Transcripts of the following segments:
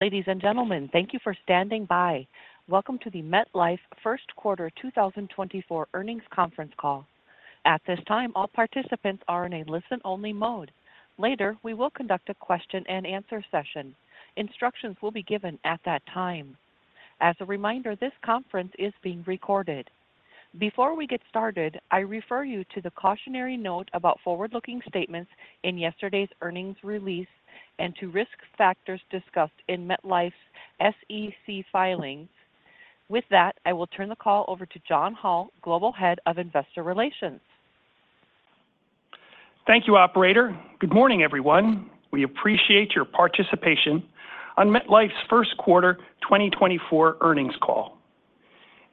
Ladies and gentlemen, thank you for standing by. Welcome to the MetLife first quarter 2024 earnings conference call. At this time, all participants are in a listen-only mode. Later, we will conduct a question-and-answer session. Instructions will be given at that time. As a reminder, this conference is being recorded. Before we get started, I refer you to the cautionary note about forward-looking statements in yesterday's earnings release and to risk factors discussed in MetLife's SEC filings. With that, I will turn the call over to John Hall, Global Head of Investor Relations. Thank you, operator. Good morning, everyone. We appreciate your participation on MetLife's first quarter 2024 earnings call.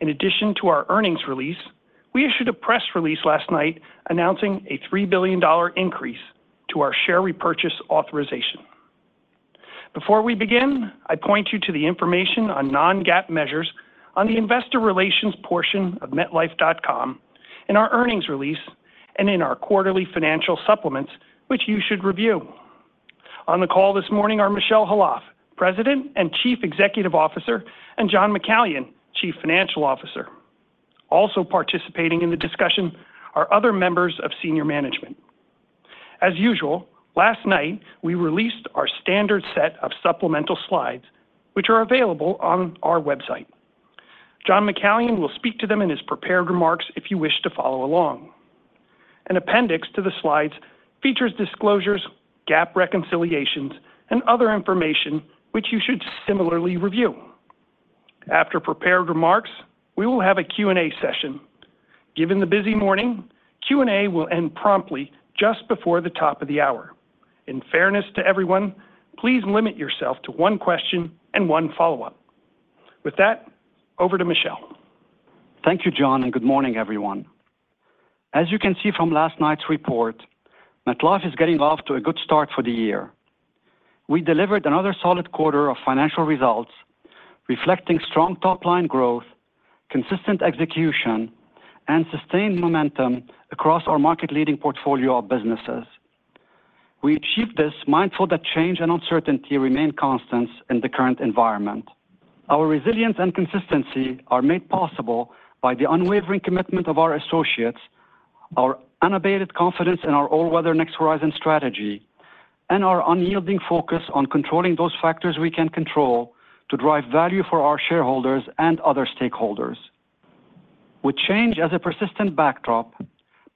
In addition to our earnings release, we issued a press release last night announcing a $3 billion increase to our share repurchase authorization. Before we begin, I point you to the information on non-GAAP measures on the investor relations portion of MetLife.com in our earnings release and in our quarterly financial supplements, which you should review. On the call this morning are Michel Khalaf, President and Chief Executive Officer, and John McCallion, Chief Financial Officer. Also participating in the discussion are other members of senior management. As usual, last night we released our standard set of supplemental slides, which are available on our website. John McCallion will speak to them in his prepared remarks if you wish to follow along. An appendix to the slides features disclosures, GAAP reconciliations, and other information which you should similarly review. After prepared remarks, we will have a Q&A session. Given the busy morning, Q&A will end promptly just before the top of the hour. In fairness to everyone, please limit yourself to one question and one follow-up. With that, over to Michel. Thank you, John, and good morning, everyone. As you can see from last night's report, MetLife is getting off to a good start for the year. We delivered another solid quarter of financial results reflecting strong top-line growth, consistent execution, and sustained momentum across our market-leading portfolio of businesses. We achieved this mindful that change and uncertainty remain constants in the current environment. Our resilience and consistency are made possible by the unwavering commitment of our associates, our unabated confidence in our all-weather Next Horizon strategy, and our unyielding focus on controlling those factors we can control to drive value for our shareholders and other stakeholders. With change as a persistent backdrop,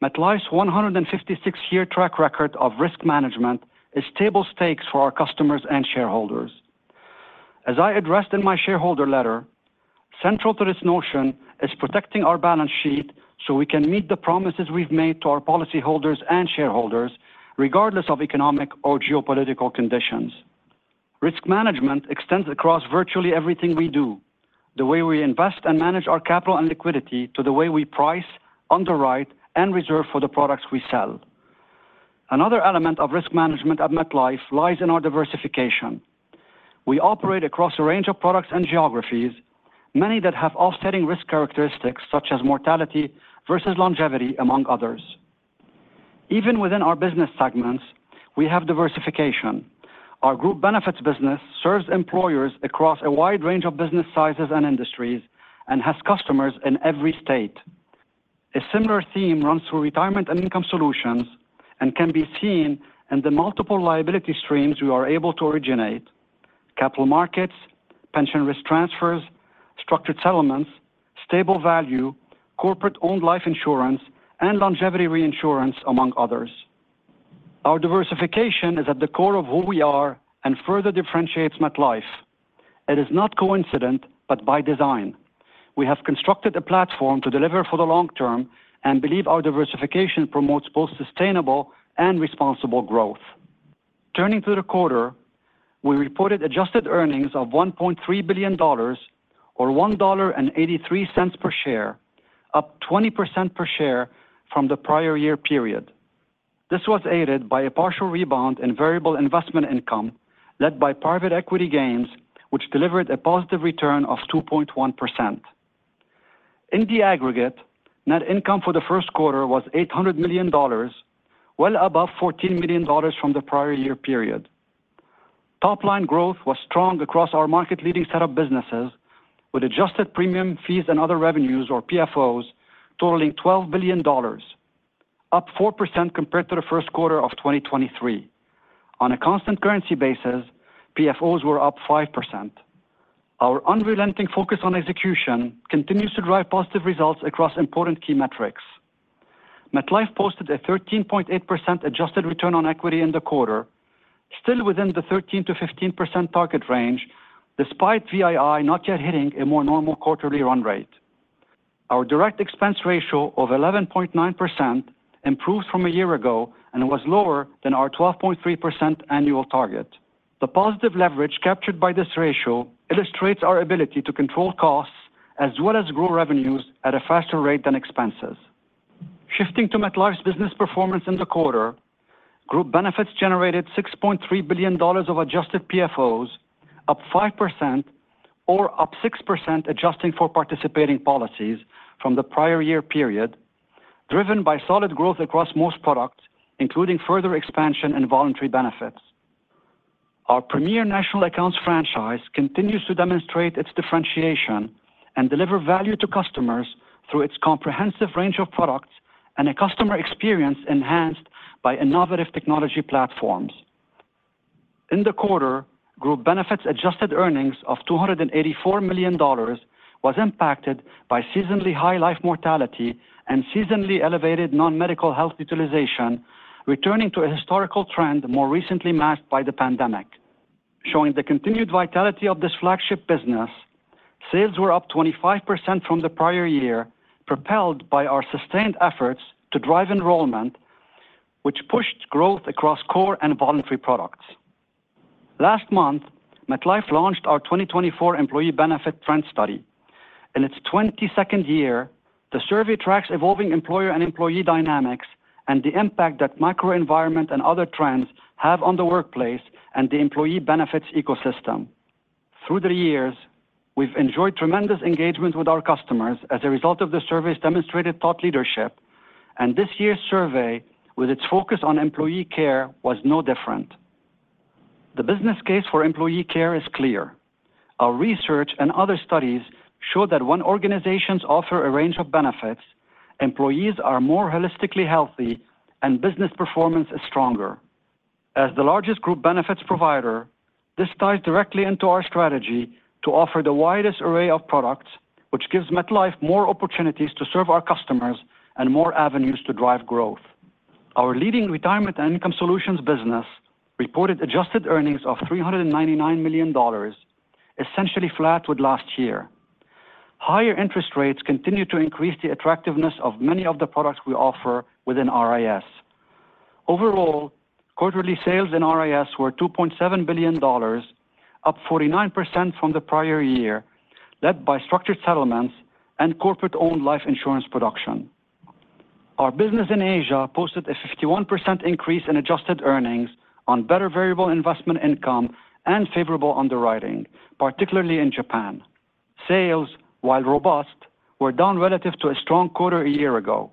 MetLife's 156-year track record of risk management is table stakes for our customers and shareholders. As I addressed in my shareholder letter, central to this notion is protecting our balance sheet so we can meet the promises we've made to our policyholders and shareholders regardless of economic or geopolitical conditions. Risk management extends across virtually everything we do, the way we invest and manage our capital and liquidity to the way we price, underwrite, and reserve for the products we sell. Another element of risk management at MetLife lies in our diversification. We operate across a range of products and geographies, many that have offsetting risk characteristics such as mortality versus longevity, among others. Even within our business segments, we have diversification. Our group benefits business serves employers across a wide range of business sizes and industries and has customers in every state. A similar theme runs through retirement and income solutions and can be seen in the multiple liability streams we are able to originate: capital markets, pension risk transfers, structured settlements, stable value, corporate-owned life insurance, and longevity reinsurance, among others. Our diversification is at the core of who we are and further differentiates MetLife. It is not coincident but by design. We have constructed a platform to deliver for the long term and believe our diversification promotes both sustainable and responsible growth. Turning to the quarter, we reported adjusted earnings of $1.3 billion, or $1.83 per share, up 20% per share from the prior year period. This was aided by a partial rebound in variable investment income led by private equity gains, which delivered a positive return of 2.1%. In the aggregate, net income for the first quarter was $800 million, well above $14 million from the prior year period. Top-line growth was strong across our market-leading set of businesses, with adjusted premium, fees, and other revenues, or PFOs, totaling $12 billion, up 4% compared to the first quarter of 2023. On a constant currency basis, PFOs were up 5%. Our unrelenting focus on execution continues to drive positive results across important key metrics. MetLife posted a 13.8% adjusted return on equity in the quarter, still within the 13%-15% target range despite VII not yet hitting a more normal quarterly run rate. Our direct expense ratio of 11.9% improved from a year ago and was lower than our 12.3% annual target. The positive leverage captured by this ratio illustrates our ability to control costs as well as grow revenues at a faster rate than expenses. Shifting to MetLife's business performance in the quarter, Group Benefits generated $6.3 billion of adjusted PFOs, up 5%, or up 6% adjusting for participating policies from the prior year period, driven by solid growth across most products, including further expansion and voluntary benefits. Our Premier National Accounts franchise continues to demonstrate its differentiation and deliver value to customers through its comprehensive range of products and a customer experience enhanced by innovative technology platforms. In the quarter, Group Benefits' adjusted earnings of $284 million was impacted by seasonally high life mortality and seasonally elevated non-medical health utilization, returning to a historical trend more recently masked by the pandemic. Showing the continued vitality of this flagship business, sales were up 25% from the prior year, propelled by our sustained efforts to drive enrollment, which pushed growth across core and voluntary products. Last month, MetLife launched our 2024 Employee Benefit Trends Study. In its 22nd year, the survey tracks evolving employer and employee dynamics and the impact that macro environment and other trends have on the workplace and the employee benefits ecosystem. Through the years, we've enjoyed tremendous engagement with our customers as a result of the survey's demonstrated thought leadership, and this year's survey, with its focus on employee care, was no different. The business case for employee care is clear. Our research and other studies show that when organizations offer a range of benefits, employees are more holistically healthy and business performance is stronger. As the largest Group Benefits provider, this ties directly into our strategy to offer the widest array of products, which gives MetLife more opportunities to serve our customers and more avenues to drive growth. Our leading Retirement and Income Solutions business reported adjusted earnings of $399 million, essentially flat with last year. Higher interest rates continue to increase the attractiveness of many of the products we offer within RIS. Overall, quarterly sales in RIS were $2.7 billion, up 49% from the prior year, led by structured settlements and corporate-owned life insurance production. Our business in Asia posted a 51% increase in adjusted earnings on better variable investment income and favorable underwriting, particularly in Japan. Sales, while robust, were down relative to a strong quarter a year ago.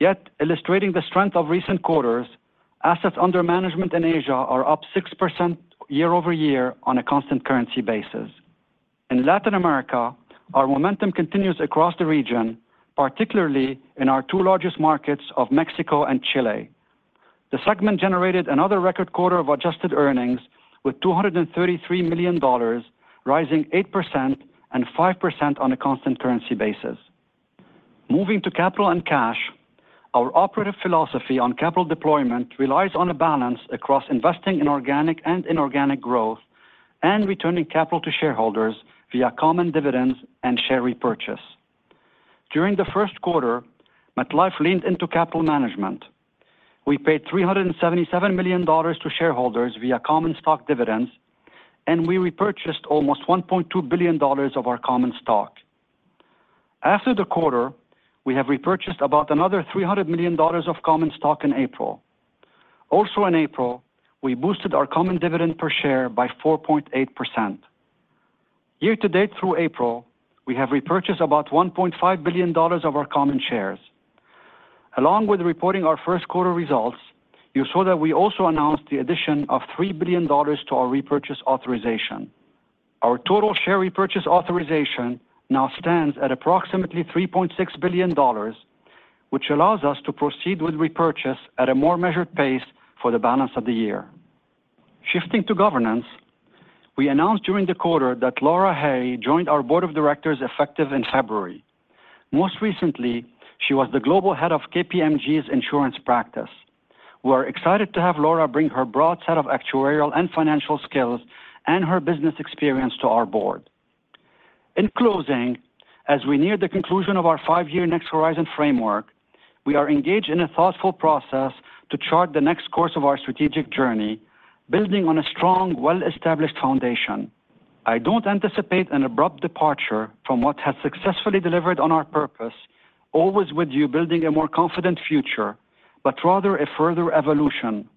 Yet, illustrating the strength of recent quarters, assets under management in Asia are up 6% year-over-year on a constant currency basis. In Latin America, our momentum continues across the region, particularly in our two largest markets of Mexico and Chile. The segment generated another record quarter of adjusted earnings, with $233 million rising 8% and 5% on a constant currency basis. Moving to capital and cash, our operative philosophy on capital deployment relies on a balance across investing in organic and inorganic growth and returning capital to shareholders via common dividends and share repurchase. During the first quarter, MetLife leaned into capital management. We paid $377 million to shareholders via common stock dividends, and we repurchased almost $1.2 billion of our common stock. After the quarter, we have repurchased about another $300 million of common stock in April. Also in April, we boosted our common dividend per share by 4.8%. Year to date through April, we have repurchased about $1.5 billion of our common shares. Along with reporting our first quarter results, you saw that we also announced the addition of $3 billion to our repurchase authorization. Our total share repurchase authorization now stands at approximately $3.6 billion, which allows us to proceed with repurchase at a more measured pace for the balance of the year. Shifting to governance, we announced during the quarter that Laura Hay joined our board of directors effective in February. Most recently, she was the global head of KPMG's insurance practice. We are excited to have Laura bring her broad set of actuarial and financial skills and her business experience to our board. In closing, as we near the conclusion of our five-year Next Horizon framework, we are engaged in a thoughtful process to chart the next course of our strategic journey, building on a strong, well-established foundation. I don't anticipate an abrupt departure from what has successfully delivered on our purpose, Always with you, building a more confident future, but rather a further evolution.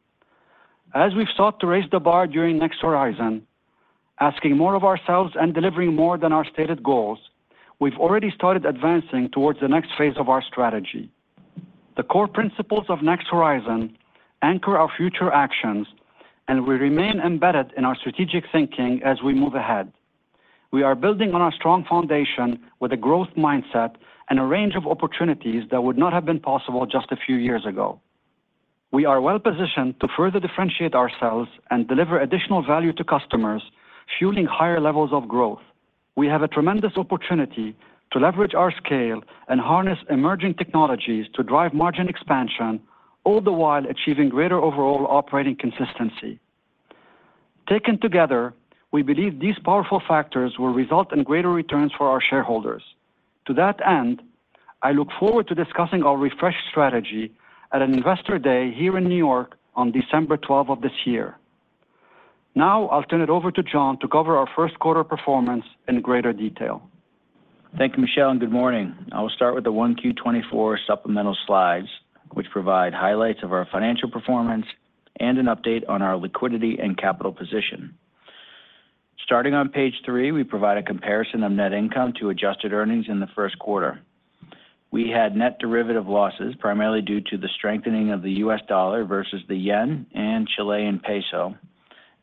As we've sought to raise the bar during Next Horizon, asking more of ourselves and delivering more than our stated goals, we've already started advancing towards the next phase of our strategy. The core principles of Next Horizon anchor our future actions, and we remain embedded in our strategic thinking as we move ahead. We are building on our strong foundation with a growth mindset and a range of opportunities that would not have been possible just a few years ago. We are well-positioned to further differentiate ourselves and deliver additional value to customers, fueling higher levels of growth. We have a tremendous opportunity to leverage our scale and harness emerging technologies to drive margin expansion, all the while achieving greater overall operating consistency. Taken together, we believe these powerful factors will result in greater returns for our shareholders. To that end, I look forward to discussing our refreshed strategy at an investor day here in New York on December 12 of this year. Now I'll turn it over to John to cover our first quarter performance in greater detail. Thank you, Michel, and good morning. I will start with the 1Q24 supplemental slides, which provide highlights of our financial performance and an update on our liquidity and capital position. Starting on page 3, we provide a comparison of net income to adjusted earnings in the first quarter. We had net derivative losses primarily due to the strengthening of the U.S. dollar versus the yen and Chilean peso,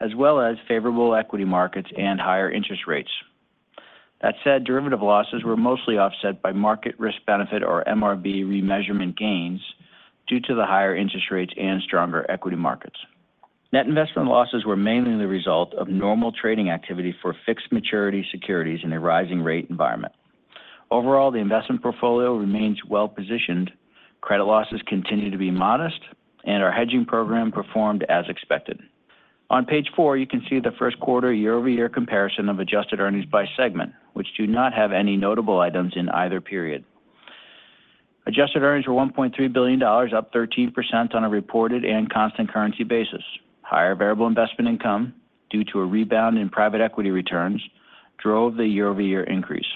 as well as favorable equity markets and higher interest rates. That said, derivative losses were mostly offset by market risk benefit, or MRB, remeasurement gains due to the higher interest rates and stronger equity markets. Net investment losses were mainly the result of normal trading activity for fixed maturity securities in a rising rate environment. Overall, the investment portfolio remains well-positioned. Credit losses continue to be modest, and our hedging program performed as expected. On page four, you can see the first quarter year-over-year comparison of adjusted earnings by segment, which do not have any notable items in either period. adjusted earnings were $1.3 billion, up 13% on a reported and constant currency basis. Higher Variable Investment Income, due to a rebound in private equity returns, drove the year-over-year increase.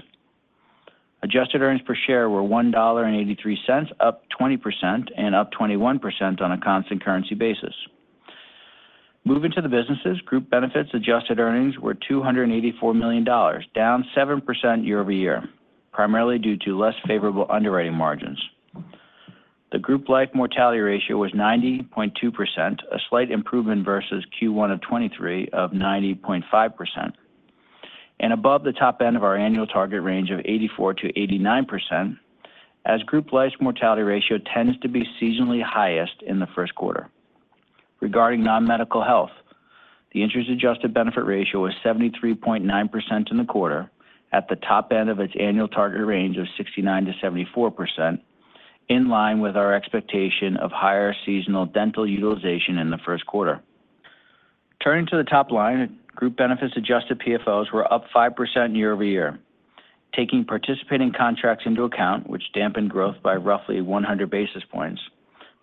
adjusted earnings per share were $1.83, up 20% and up 21% on a constant currency basis. Moving to the businesses, Group Benefits' adjusted earnings were $284 million, down 7% year over year, primarily due to less favorable underwriting margins. The group life mortality ratio was 90.2%, a slight improvement versus Q1 of 2023 of 90.5%. Above the top end of our annual target range of 84%-89%, as group life's mortality ratio tends to be seasonally highest in the first quarter. Regarding non-medical health, the interest-adjusted benefit ratio was 73.9% in the quarter, at the top end of its annual target range of 69%-74%, in line with our expectation of higher seasonal dental utilization in the first quarter. Turning to the top line, Group Benefits' adjusted PFOs were up 5% year-over-year. Taking participating contracts into account, which dampened growth by roughly 100 basis points,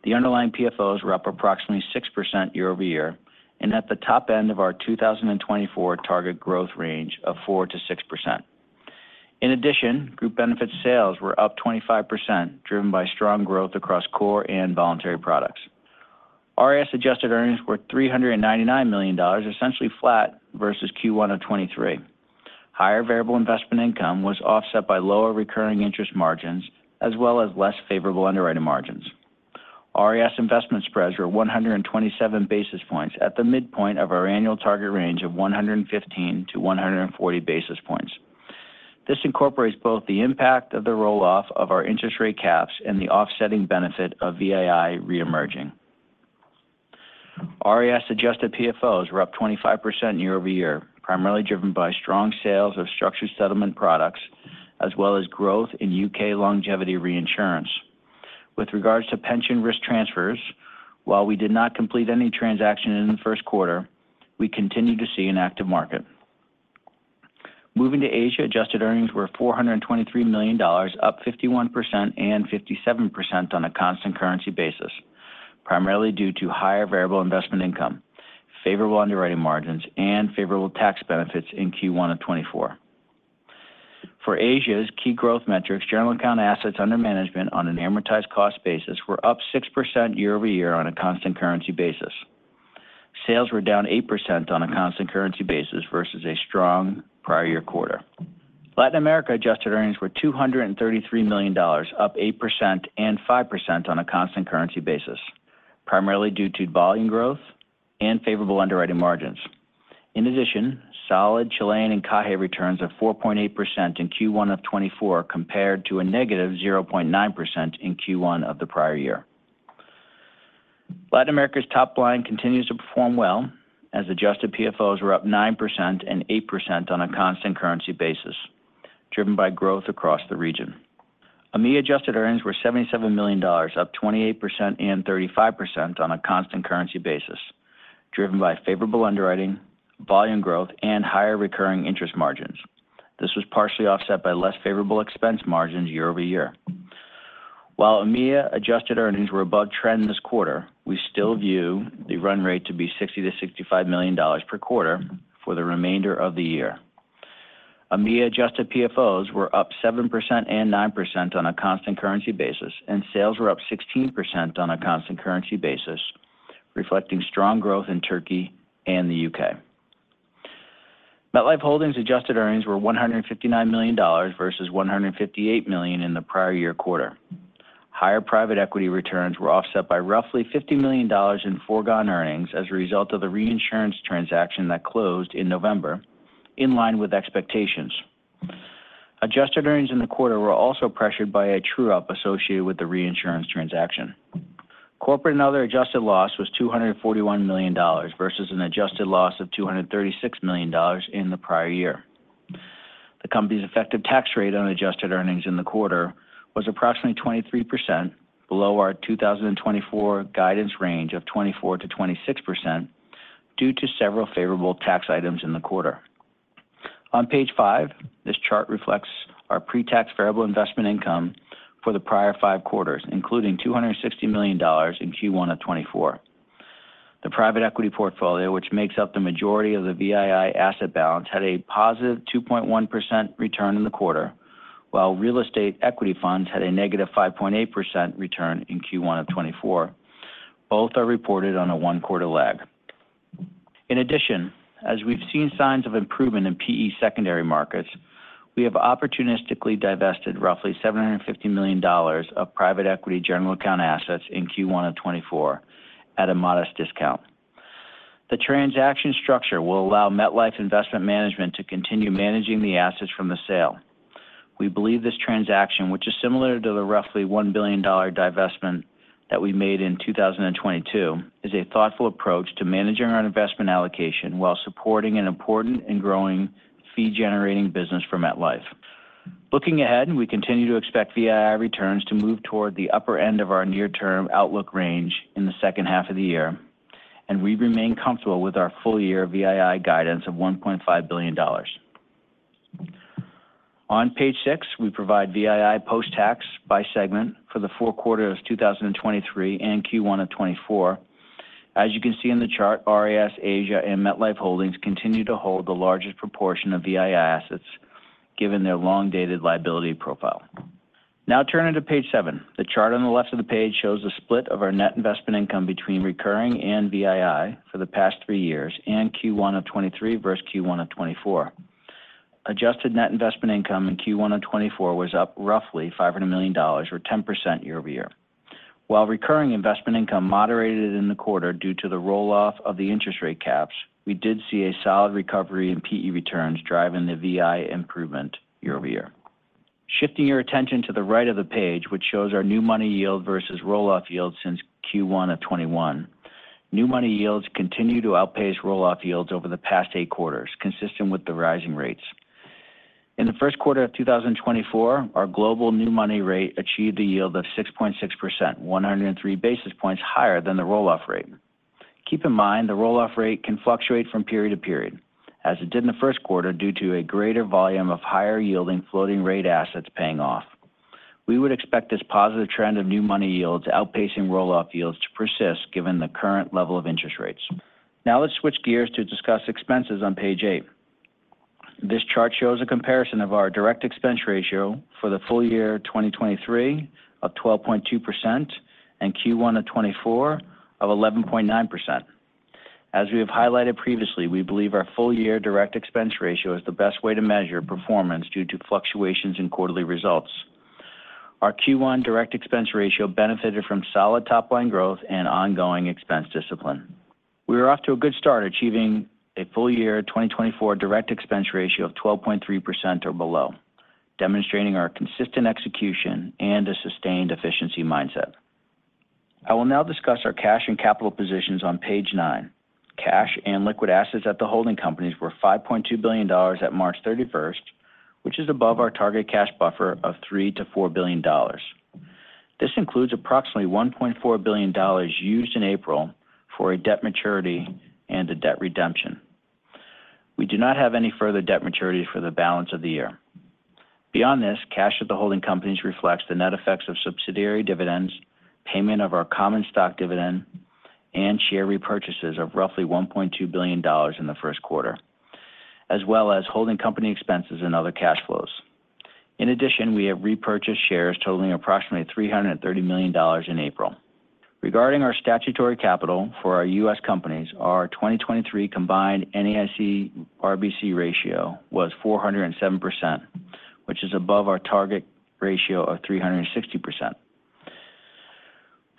the underlying PFOs were up approximately 6% year-over-year and at the top end of our 2024 target growth range of 4%-6%. In addition, Group Benefits' sales were up 25%, driven by strong growth across core and voluntary products. RIS adjusted earnings were $399 million, essentially flat versus Q1 of 2023. Higher variable investment income was offset by lower recurring interest margins as well as less favorable underwriting margins. RIS investment spreads were 127 basis points, at the midpoint of our annual target range of 115-140 basis points. This incorporates both the impact of the rolloff of our interest rate caps and the offsetting benefit of VII reemerging. RIS adjusted PFOs were up 25% year-over-year, primarily driven by strong sales of structured settlements products as well as growth in UK longevity reinsurance. With regards to pension risk transfers, while we did not complete any transaction in the first quarter, we continue to see an active market. Moving to Asia, adjusted earnings were $423 million, up 51% and 57% on a constant currency basis, primarily due to higher variable investment income, favorable underwriting margins, and favorable tax benefits in Q1 of 2024. For Asia's key growth metrics, general account assets under management on an amortized cost basis were up 6% year-over-year on a constant currency basis. Sales were down 8% on a constant currency basis versus a strong prior year quarter. Latin America adjusted earnings were $233 million, up 8% and 5% on a constant currency basis, primarily due to volume growth and favorable underwriting margins. In addition, solid Chilean and Encaje returns of 4.8% in Q1 of 2024 compared to a negative 0.9% in Q1 of the prior year. Latin America's top line continues to perform well, as adjusted PFOs were up 9% and 8% on a constant currency basis, driven by growth across the region. EMEA adjusted earnings were $77 million, up 28% and 35% on a constant currency basis, driven by favorable underwriting, volume growth, and higher recurring interest margins. This was partially offset by less favorable expense margins year-over-year. While EMEA adjusted earnings were above trend this quarter, we still view the run rate to be $60-$65 million per quarter for the remainder of the year. EMEA adjusted PFOs were up 7% and 9% on a constant currency basis, and sales were up 16% on a constant currency basis, reflecting strong growth in Turkey and the UK. MetLife Holdings' adjusted earnings were $159 million versus $158 million in the prior year quarter. Higher private equity returns were offset by roughly $50 million in foregone earnings as a result of the reinsurance transaction that closed in November, in line with expectations. Adjusted earnings in the quarter were also pressured by a true-up associated with the reinsurance transaction. Corporate and Other adjusted loss was $241 million versus an adjusted loss of $236 million in the prior year. The company's effective tax rate on adjusted earnings in the quarter was approximately 23%, below our 2024 guidance range of 24%-26% due to several favorable tax items in the quarter. On page five, this chart reflects our pre-tax variable investment income for the prior five quarters, including $260 million in Q1 of 2024. The private equity portfolio, which makes up the majority of the VII asset balance, had a positive 2.1% return in the quarter, while real estate equity funds had a negative 5.8% return in Q1 of 2024. Both are reported on a one-quarter lag. In addition, as we've seen signs of improvement in PE secondary markets, we have opportunistically divested roughly $750 million of private equity general account assets in Q1 of 2024 at a modest discount. The transaction structure will allow MetLife Investment Management to continue managing the assets from the sale. We believe this transaction, which is similar to the roughly $1 billion divestment that we made in 2022, is a thoughtful approach to managing our investment allocation while supporting an important and growing fee-generating business for MetLife. Looking ahead, we continue to expect VII returns to move toward the upper end of our near-term outlook range in the second half of the year, and we remain comfortable with our full-year VII guidance of $1.5 billion. On page 6, we provide VII post-tax by segment for the four quarters of 2023 and Q1 of 2024. As you can see in the chart, RIS, Asia and MetLife Holdings continue to hold the largest proportion of VII assets given their long-dated liability profile. Now turn to page 7. The chart on the left of the page shows the split of our net investment income between recurring and VII for the past three years and Q1 of 2023 versus Q1 of 2024. Adjusted net investment income in Q1 of 2024 was up roughly $500 million, or 10% year-over-year. While recurring investment income moderated in the quarter due to the rolloff of the interest rate caps, we did see a solid recovery in PE returns driving the VII improvement year-over-year. Shifting your attention to the right of the page, which shows our new money yield versus rolloff yield since Q1 of 2021, new money yields continue to outpace rolloff yields over the past eight quarters, consistent with the rising rates. In the first quarter of 2024, our global new money rate achieved a yield of 6.6%, 103 basis points higher than the rolloff rate. Keep in mind, the rolloff rate can fluctuate from period to period, as it did in the first quarter due to a greater volume of higher-yielding floating-rate assets paying off. We would expect this positive trend of new money yields outpacing rolloff yields to persist given the current level of interest rates. Now let's switch gears to discuss expenses on page 8. This chart shows a comparison of our direct expense ratio for the full year 2023 of 12.2% and Q1 of 2024 of 11.9%. As we have highlighted previously, we believe our full-year direct expense ratio is the best way to measure performance due to fluctuations in quarterly results. Our Q1 direct expense ratio benefited from solid top-line growth and ongoing expense discipline. We are off to a good start achieving a full-year 2024 direct expense ratio of 12.3% or below, demonstrating our consistent execution and a sustained efficiency mindset. I will now discuss our cash and capital positions on page nine. Cash and liquid assets at the holding companies were $5.2 billion at March 31st, which is above our target cash buffer of $3-$4 billion. This includes approximately $1.4 billion used in April for a debt maturity and a debt redemption. We do not have any further debt maturities for the balance of the year. Beyond this, cash at the holding companies reflects the net effects of subsidiary dividends, payment of our common stock dividend, and share repurchases of roughly $1.2 billion in the first quarter, as well as holding company expenses and other cash flows. In addition, we have repurchased shares totaling approximately $330 million in April. Regarding our statutory capital for our U.S. companies, our 2023 combined NAIC/RBC ratio was 407%, which is above our target ratio of 360%.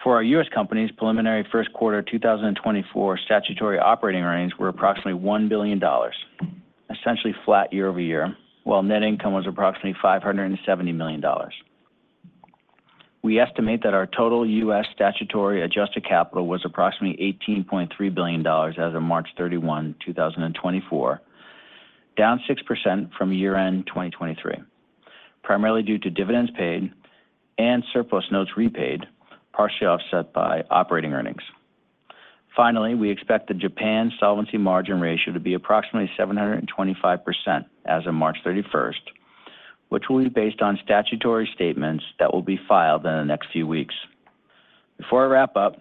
For our U.S. companies, preliminary first quarter 2024 statutory operating earnings were approximately $1 billion, essentially flat year-over-year, while net income was approximately $570 million. We estimate that our total U.S. statutory adjusted capital was approximately $18.3 billion as of March 31, 2024, down 6% from year-end 2023, primarily due to dividends paid and surplus notes repaid, partially offset by operating earnings. Finally, we expect the Japan solvency margin ratio to be approximately 725% as of March 31st, which will be based on statutory statements that will be filed in the next few weeks. Before I wrap up,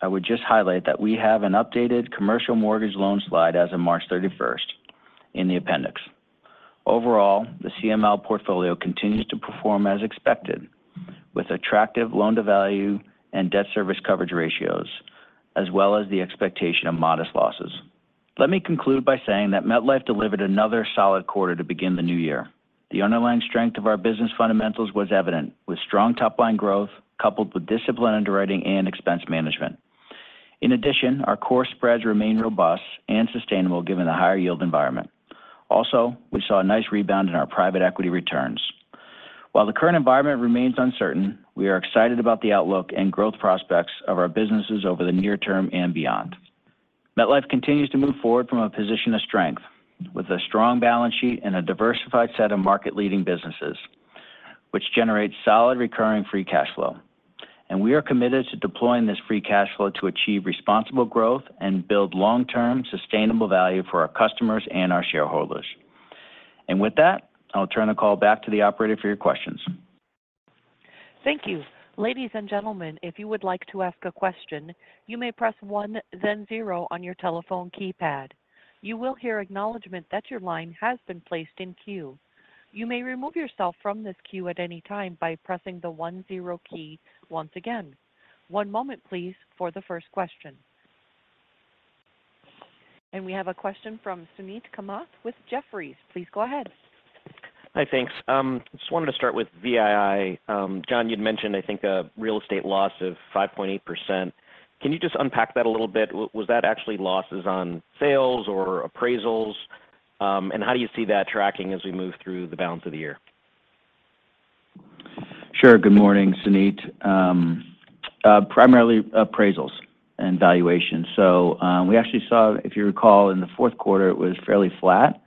I would just highlight that we have an updated commercial mortgage loan slide as of March 31st in the appendix. Overall, the CML portfolio continues to perform as expected, with attractive loan-to-value and debt service coverage ratios, as well as the expectation of modest losses. Let me conclude by saying that MetLife delivered another solid quarter to begin the new year. The underlying strength of our business fundamentals was evident, with strong top-line growth coupled with disciplined underwriting and expense management. In addition, our core spreads remain robust and sustainable given the higher-yield environment. Also, we saw a nice rebound in our private equity returns. While the current environment remains uncertain, we are excited about the outlook and growth prospects of our businesses over the near term and beyond. MetLife continues to move forward from a position of strength, with a strong balance sheet and a diversified set of market-leading businesses, which generate solid recurring free cash flow. We are committed to deploying this free cash flow to achieve responsible growth and build long-term, sustainable value for our customers and our shareholders. With that, I'll turn the call back to the operator for your questions. Thank you. Ladies and gentlemen, if you would like to ask a question, you may press one, then zero on your telephone keypad. You will hear acknowledgment that your line has been placed in queue. You may remove yourself from this queue at any time by pressing the one-zero key once again. One moment, please, for the first question. We have a question from Suneet Kamath with Jefferies. Please go ahead. Hi, thanks. I just wanted to start with VII. John, you'd mentioned, I think, a real estate loss of 5.8%. Can you just unpack that a little bit? Was that actually losses on sales or appraisals? And how do you see that tracking as we move through the balance of the year? Sure. Good morning, Suneet. Primarily appraisals and valuation. So we actually saw, if you recall, in the fourth quarter, it was fairly flat.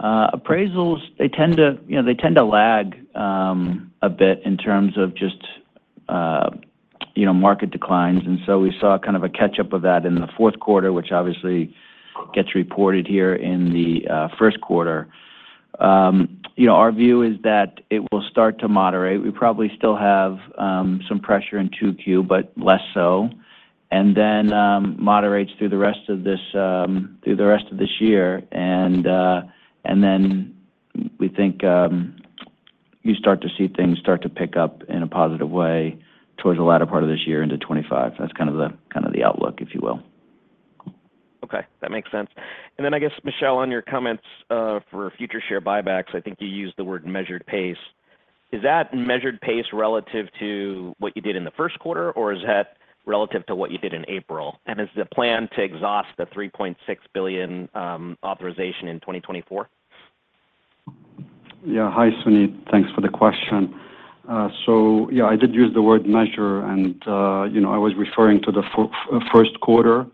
Appraisals, they tend to lag a bit in terms of just market declines. And so we saw kind of a catch-up of that in the fourth quarter, which obviously gets reported here in the first quarter. Our view is that it will start to moderate. We probably still have some pressure in Q2, but less so, and then moderates through the rest of this through the rest of this year. And then we think you start to see things start to pick up in a positive way towards the latter part of this year into 2025. That's kind of the outlook, if you will. Okay. That makes sense. And then, I guess, Michel, on your comments for future share buybacks, I think you used the word measured pace. Is that measured pace relative to what you did in the first quarter, or is that relative to what you did in April? And is the plan to exhaust the $3.6 billion authorization in 2024? Yeah. Hi, Suneet. Thanks for the question. So yeah, I did use the word measure, and I was referring to the first quarter.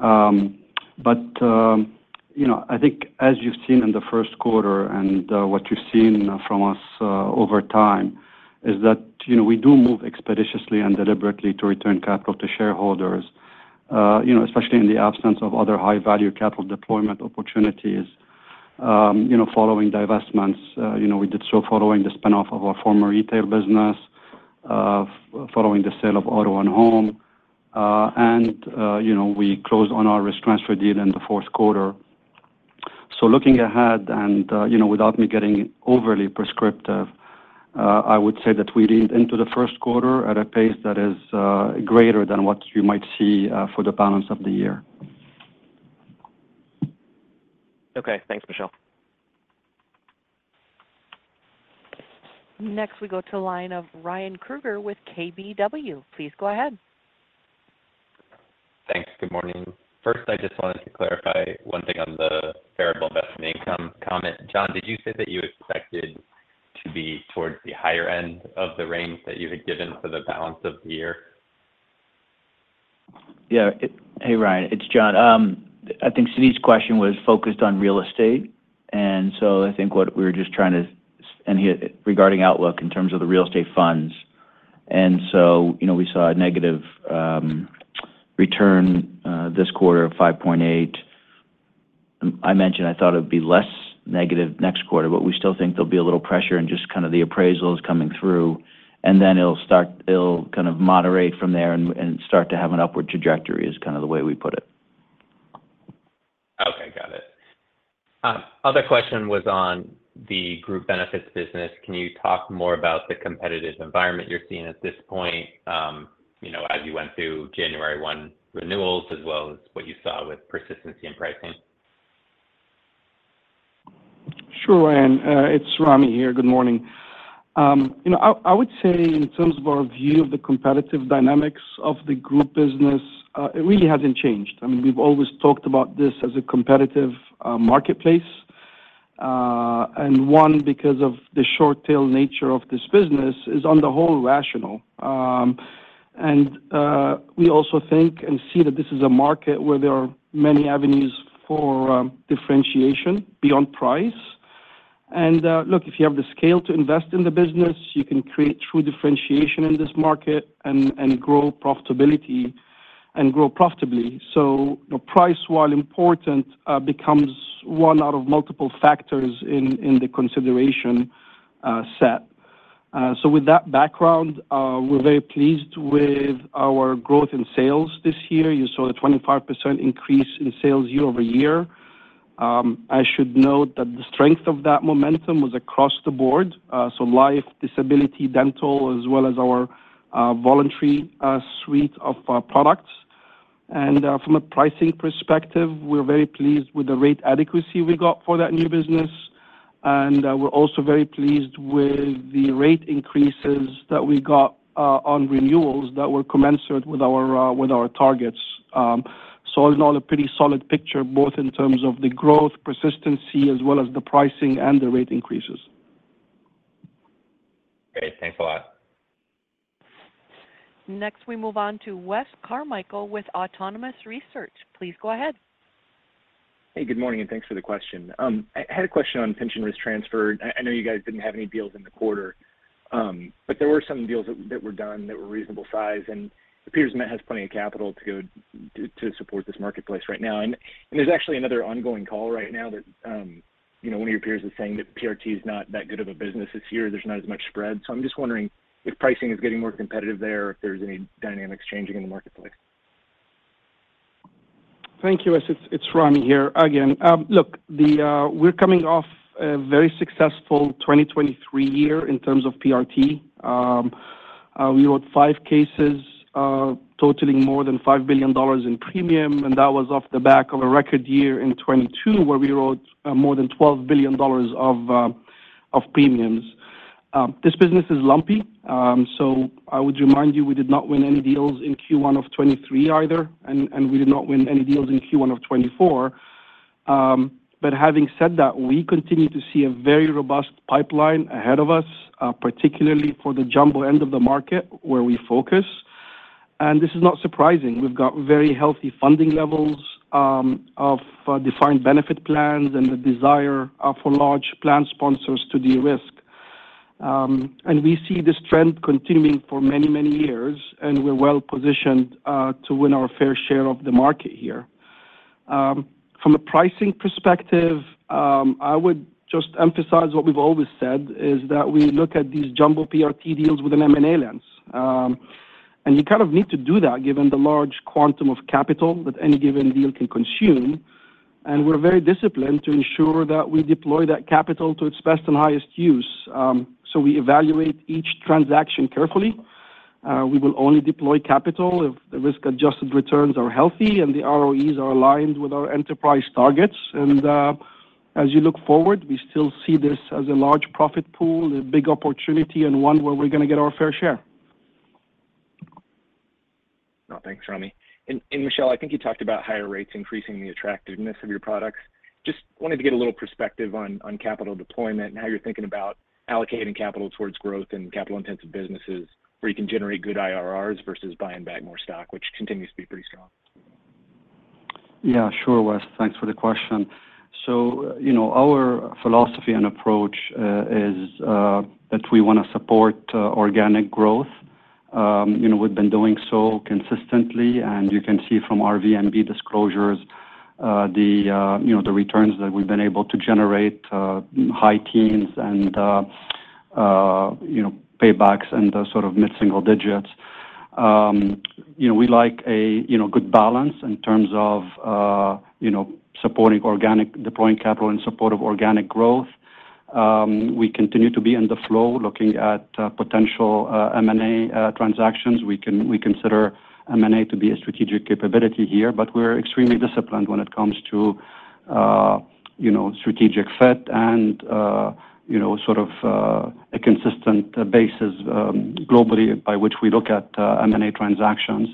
But I think, as you've seen in the first quarter and what you've seen from us over time, is that we do move expeditiously and deliberately to return capital to shareholders, especially in the absence of other high-value capital deployment opportunities following divestments. We did so following the spinoff of our former retail business, following the sale of Auto and Home. And we closed on our risk transfer deal in the fourth quarter. So looking ahead and without me getting overly prescriptive, I would say that we leaned into the first quarter at a pace that is greater than what you might see for the balance of the year. Okay. Thanks, Michel. Next, we go to the line of Ryan Kruger with KBW. Please go ahead. Thanks. Good morning. First, I just wanted to clarify one thing on the variable investment income comment. John, did you say that you expected to be towards the higher end of the range that you had given for the balance of the year? Yeah. Hey, Ryan. It's John. I think Suneet's question was focused on real estate. And so I think what we were just trying to add here, regarding outlook in terms of the real estate funds. And so we saw a negative return this quarter of 5.8. I mentioned I thought it would be less negative next quarter, but we still think there'll be a little pressure and just kind of the appraisals coming through. And then it'll start to kind of moderate from there and start to have an upward trajectory is kind of the way we put it. Okay. Got it. Other question was on the Group Benefits business. Can you talk more about the competitive environment you're seeing at this point as you went through January 1 renewals, as well as what you saw with persistency in pricing? Sure, Ryan. It's Ramy here. Good morning. I would say, in terms of our view of the competitive dynamics of the group business, it really hasn't changed. I mean, we've always talked about this as a competitive marketplace. And one, because of the short-tail nature of this business, is on the whole rational. And we also think and see that this is a market where there are many avenues for differentiation beyond price. And look, if you have the scale to invest in the business, you can create true differentiation in this market and grow profitability and grow profitably. So price, while important, becomes one out of multiple factors in the consideration set. So with that background, we're very pleased with our growth in sales this year. You saw a 25% increase in sales year-over-year. I should note that the strength of that momentum was across the board, so Life, Disability, Dental, as well as our voluntary suite of products. From a pricing perspective, we're very pleased with the rate adequacy we got for that new business. We're also very pleased with the rate increases that we got on renewals that were commensurate with our targets. All in all, a pretty solid picture, both in terms of the growth, persistency, as well as the pricing and the rate increases. Great. Thanks a lot. Next, we move on to Wes Carmichael with Autonomous Research. Please go ahead. Hey. Good morning. Thanks for the question. I had a question on Pension Risk Transfer. I know you guys didn't have any deals in the quarter, but there were some deals that were done that were reasonable size. It appears Met has plenty of capital to go to support this marketplace right now. There's actually another ongoing call right now that one of your peers is saying that PRT is not that good of a business this year. There's not as much spread. So I'm just wondering if pricing is getting more competitive there, if there's any dynamics changing in the marketplace. Thank you, Wes. It's Ramy here again. Look, we're coming off a very successful 2023 year in terms of PRT. We wrote five cases totaling more than $5 billion in premium, and that was off the back of a record year in 2022 where we wrote more than $12 billion of premiums. This business is lumpy. So I would remind you, we did not win any deals in Q1 of 2023 either, and we did not win any deals in Q1 of 2024. But having said that, we continue to see a very robust pipeline ahead of us, particularly for the jumbo end of the market where we focus. And this is not surprising. We've got very healthy funding levels of defined benefit plans and the desire for large plan sponsors to derisk. We see this trend continuing for many, many years, and we're well positioned to win our fair share of the market here. From a pricing perspective, I would just emphasize what we've always said is that we look at these jumbo PRT deals with an M&A lens. You kind of need to do that given the large quantum of capital that any given deal can consume. We're very disciplined to ensure that we deploy that capital to its best and highest use. We evaluate each transaction carefully. We will only deploy capital if the risk-adjusted returns are healthy and the ROEs are aligned with our enterprise targets. As you look forward, we still see this as a large profit pool, a big opportunity, and one where we're going to get our fair share. Thanks, Ramy. Michel, I think you talked about higher rates increasing the attractiveness of your products. Just wanted to get a little perspective on capital deployment and how you're thinking about allocating capital towards growth and capital-intensive businesses where you can generate good IRRs versus buying back more stock, which continues to be pretty strong. Yeah. Sure, Wes. Thanks for the question. So our philosophy and approach is that we want to support organic growth. We've been doing so consistently. And you can see from our VNB disclosures, the returns that we've been able to generate, high teens and paybacks and sort of mid-single digits. We like a good balance in terms of supporting organic deploying capital in support of organic growth. We continue to be in the flow looking at potential M&A transactions. We consider M&A to be a strategic capability here, but we're extremely disciplined when it comes to strategic fit and sort of a consistent basis globally by which we look at M&A transactions.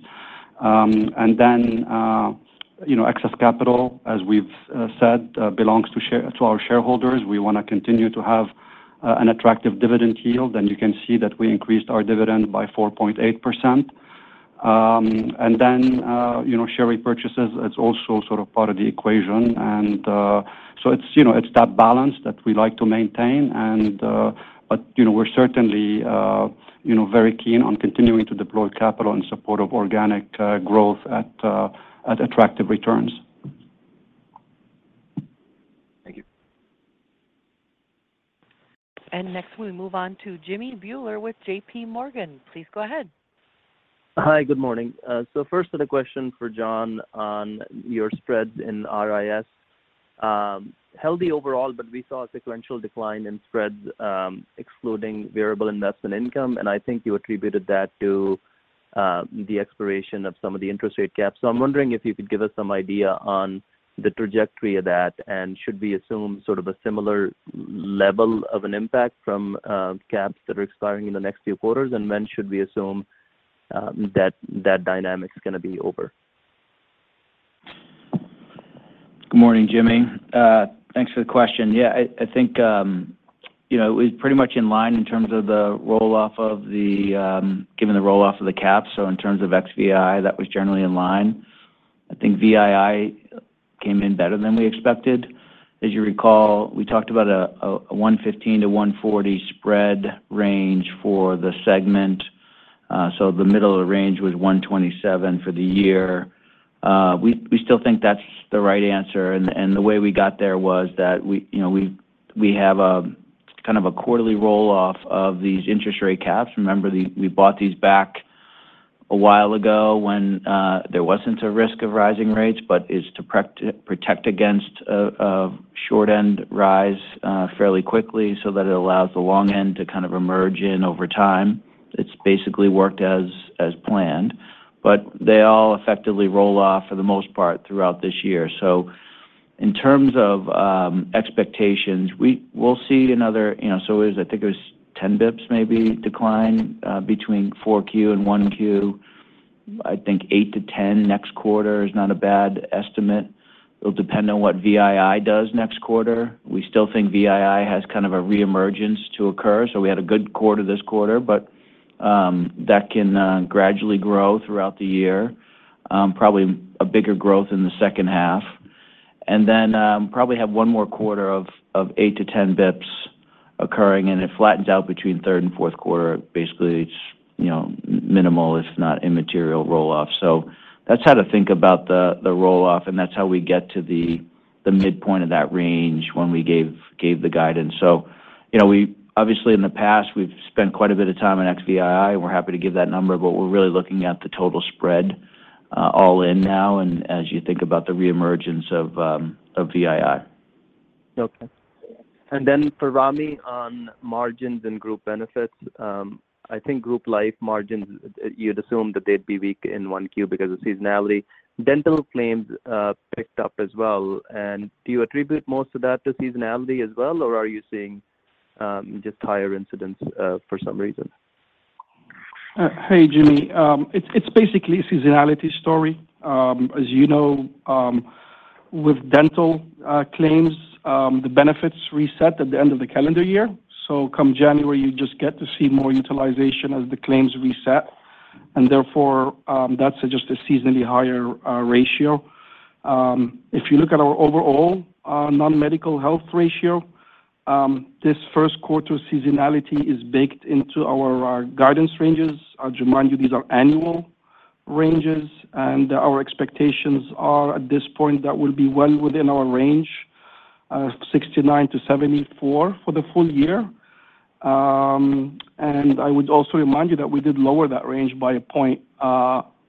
And then excess capital, as we've said, belongs to our shareholders. We want to continue to have an attractive dividend yield. And you can see that we increased our dividend by 4.8%. And then share repurchases, it's also sort of part of the equation. And so it's that balance that we like to maintain. But we're certainly very keen on continuing to deploy capital in support of organic growth at attractive returns. Thank you. Next, we move on to Jimmy Bhullar with J.P. Morgan. Please go ahead. Hi. Good morning. So first, a question for John on your spreads in RIS. Healthy overall, but we saw a sequential decline in spreads excluding variable investment income. And I think you attributed that to the expiration of some of the interest rate caps. So I'm wondering if you could give us some idea on the trajectory of that. And should we assume sort of a similar level of an impact from caps that are expiring in the next few quarters, and when should we assume that dynamic is going to be over? Good morning, Jimmy. Thanks for the question. Yeah. I think it was pretty much in line in terms of the rolloff yield given the rolloff of the caps. So in terms of VII, that was generally in line. I think VII came in better than we expected. As you recall, we talked about a 115-140 spread range for the segment. So the middle of the range was 127 for the year. We still think that's the right answer. And the way we got there was that we have kind of a quarterly rolloff of these interest rate caps. Remember, we bought these back a while ago when there wasn't a risk of rising rates, but it's to protect against a short-end rise fairly quickly so that it allows the long-end to kind of emerge in over time. It's basically worked as planned. But they all effectively roll off for the most part throughout this year. So in terms of expectations, we'll see another so I think it was 10 basis points, maybe, decline between Q4 and Q1. I think 8-10 basis points next quarter is not a bad estimate. It'll depend on what VII does next quarter. We still think VII has kind of a reemergence to occur. So we had a good quarter this quarter, but that can gradually grow throughout the year, probably a bigger growth in the second half. And then probably have one more quarter of 8-10 basis points occurring. And it flattens out between third and fourth quarter. Basically, it's minimal, if not immaterial, rolloff. So that's how to think about the rolloff. And that's how we get to the midpoint of that range when we gave the guidance. Obviously, in the past, we've spent quite a bit of time on VII. We're happy to give that number, but we're really looking at the total spread all in now and as you think about the reemergence of VII. Okay. And then for Ramy on margins and Group Benefits, I think Group Life margins, you'd assume that they'd be weak in Q1 because of seasonality. Dental claims picked up as well. And do you attribute most of that to seasonality as well, or are you seeing just higher incidence for some reason? Hey, Jimmy. It's basically a seasonality story. As you know, with dental claims, the benefits reset at the end of the calendar year. So come January, you just get to see more utilization as the claims reset. And therefore, that's just a seasonally higher ratio. If you look at our overall non-medical health ratio, this first quarter seasonality is baked into our guidance ranges. I'd remind you, these are annual ranges. Our expectations are at this point that we'll be well within our range, 69%-74% for the full year. I would also remind you that we did lower that range by a point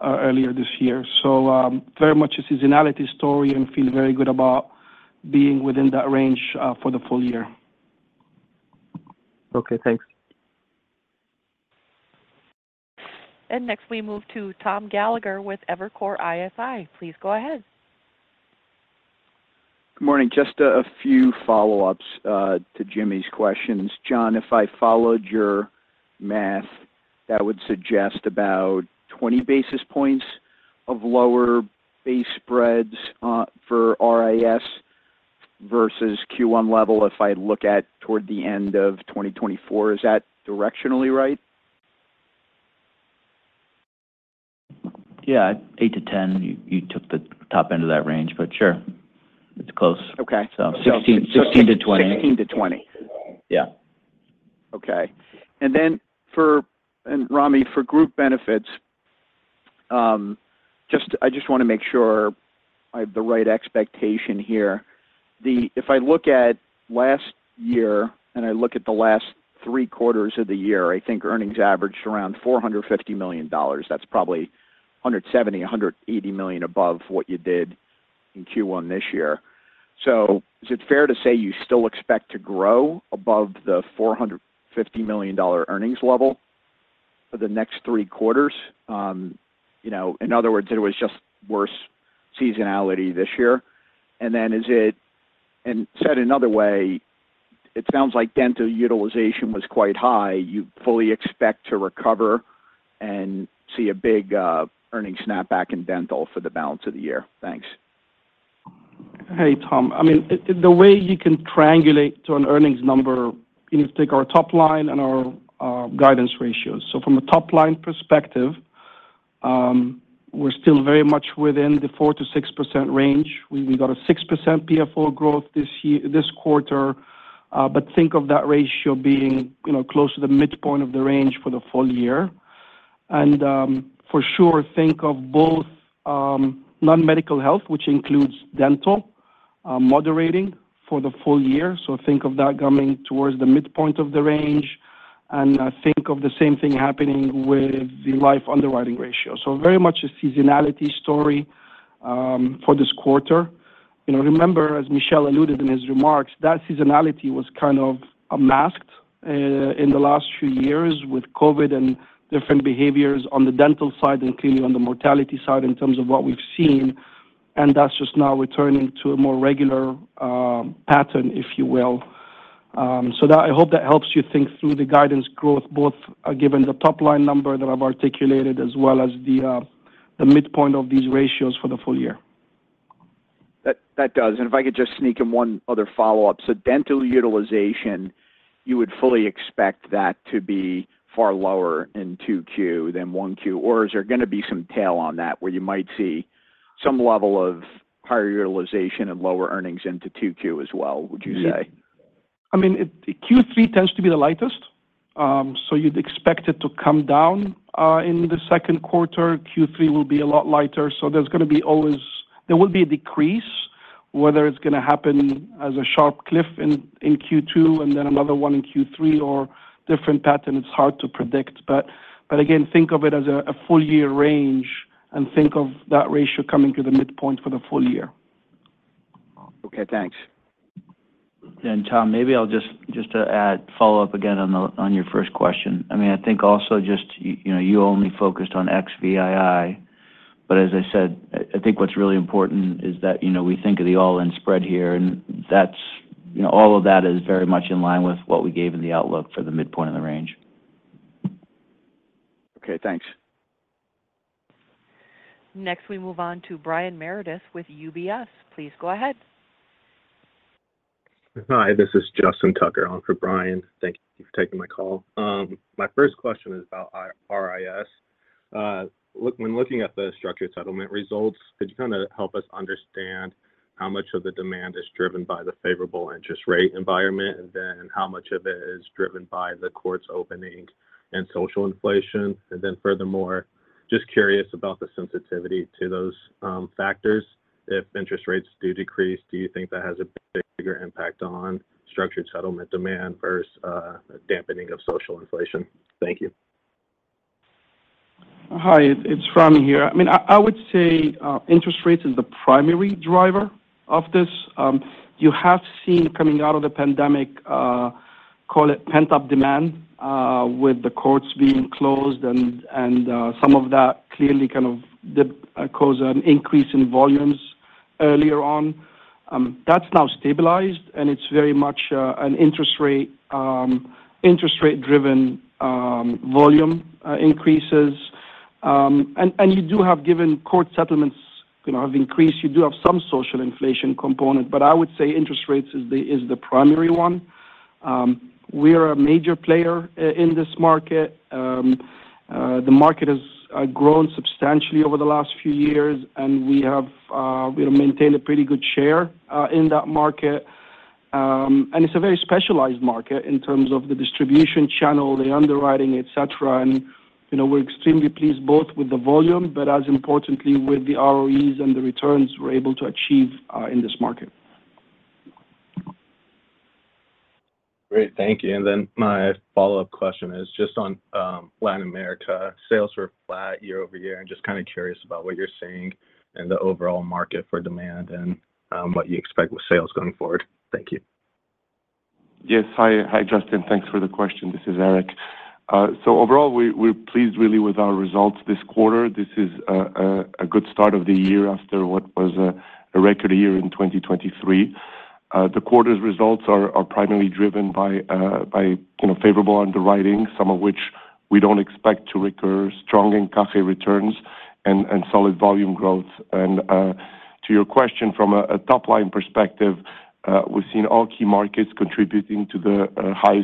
earlier this year. So very much a seasonality story and feel very good about being within that range for the full year. Okay. Thanks. Next, we move to Tom Gallagher with Evercore ISI. Please go ahead. Good morning. Just a few follow-ups to Jimmy's questions. John, if I followed your math, that would suggest about 20 basis points of lower base spreads for RIS versus Q1 level if I look at toward the end of 2024. Is that directionally right? Yeah. 8-10, you took the top end of that range. But sure, it's close. So 16-20. 16 to 20. Yeah. Okay. And then, Ramy, for Group Benefits, I just want to make sure I have the right expectation here. If I look at last year and I look at the last three quarters of the year, I think earnings averaged around $450 million. That's probably $170 million-$180 million above what you did in Q1 this year. So is it fair to say you still expect to grow above the $450 million earnings level for the next three quarters? In other words, it was just worse seasonality this year. And then is it and said another way, it sounds like dental utilization was quite high. You fully expect to recover and see a big earnings snapback in dental for the balance of the year. Thanks. Hey, Tom. I mean, the way you can triangulate to an earnings number, you take our top line and our guidance ratios. So from a top line perspective, we're still very much within the 4%-6% range. We got a 6% PFO growth this quarter. But think of that ratio being close to the midpoint of the range for the full year. And for sure, think of both non-medical health, which includes dental, moderating for the full year. So think of that coming towards the midpoint of the range. And think of the same thing happening with the life underwriting ratio. So very much a seasonality story for this quarter. Remember, as Michel alluded in his remarks, that seasonality was kind of masked in the last few years with COVID and different behaviors on the dental side and clearly on the mortality side in terms of what we've seen. And that's just now returning to a more regular pattern, if you will. So I hope that helps you think through the guidance growth, both given the top line number that I've articulated as well as the midpoint of these ratios for the full year. That does. And if I could just sneak in one other follow-up. So dental utilization, you would fully expect that to be far lower in 2Q than 1Q. Or is there going to be some tail on that where you might see some level of higher utilization and lower earnings into 2Q as well, would you say? I mean, Q3 tends to be the lightest. So you'd expect it to come down in the second quarter. Q3 will be a lot lighter. So there's going to be always there will be a decrease, whether it's going to happen as a sharp cliff in Q2 and then another one in Q3 or different pattern. It's hard to predict. But again, think of it as a full-year range, and think of that ratio coming to the midpoint for the full year. Okay. Thanks. Tom, maybe I'll just add follow-up again on your first question. I mean, I think also just you only focused on VII. But as I said, I think what's really important is that we think of the all-in spread here. And all of that is very much in line with what we gave in the outlook for the midpoint of the range. Okay. Thanks. Next, we move on to Brian Meredith with UBS. Please go ahead. Hi. This is Justin Tucker on for Brian. Thank you for taking my call. My first question is about RIS. When looking at the structured settlement results, could you kind of help us understand how much of the demand is driven by the favorable interest rate environment, and then how much of it is driven by the court's opening and social inflation? And then furthermore, just curious about the sensitivity to those factors. If interest rates do decrease, do you think that has a bigger impact on structured settlement demand versus dampening of social inflation? Thank you. Hi. It's Ramy here. I mean, I would say interest rate is the primary driver of this. You have seen coming out of the pandemic, call it pent-up demand with the courts being closed. And some of that clearly kind of caused an increase in volumes earlier on. That's now stabilized. And it's very much an interest rate-driven volume increases. And you do have given court settlements have increased, you do have some social inflation component. But I would say interest rates is the primary one. We are a major player in this market. The market has grown substantially over the last few years. And we have maintained a pretty good share in that market. And it's a very specialized market in terms of the distribution channel, the underwriting, etc. We're extremely pleased both with the volume, but as importantly, with the ROEs and the returns we're able to achieve in this market. Great. Thank you. And then my follow-up question is just on Latin America. Sales were flat year-over-year. And just kind of curious about what you're seeing in the overall market for demand and what you expect with sales going forward? Thank you. Yes. Hi, Justin. Thanks for the question. This is Eric. So overall, we're pleased really with our results this quarter. This is a good start of the year after what was a record year in 2023. The quarter's results are primarily driven by favorable underwriting, some of which we don't expect to recur, strong encaje returns, and solid volume growth. And to your question, from a top-line perspective, we've seen all key markets contributing to the high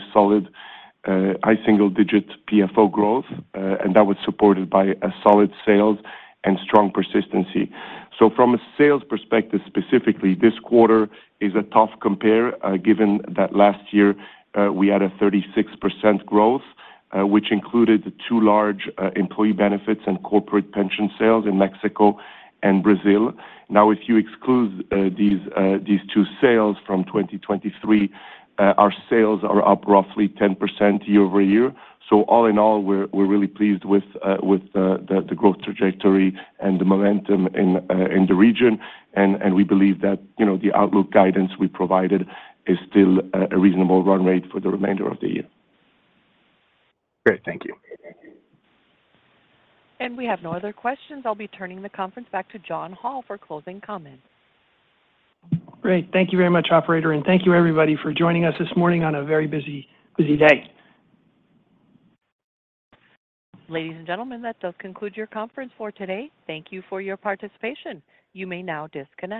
single-digit PFO growth. And that was supported by solid sales and strong persistency. So from a sales perspective specifically, this quarter is a tough compare given that last year, we had a 36% growth, which included two large employee benefits and corporate pension sales in Mexico and Brazil. Now, if you exclude these two sales from 2023, our sales are up roughly 10% year-over-year. All in all, we're really pleased with the growth trajectory and the momentum in the region. We believe that the outlook guidance we provided is still a reasonable run rate for the remainder of the year. Great. Thank you. We have no other questions. I'll be turning the conference back to John Hall for closing comments. Great. Thank you very much, operator. Thank you, everybody, for joining us this morning on a very busy day. Ladies and gentlemen, that does conclude your conference for today. Thank you for your participation. You may now disconnect.